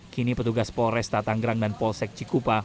kini petugas polresta tanggerang dan polsek cikupa